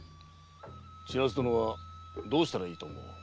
千奈津殿はどうしたらいいと思う？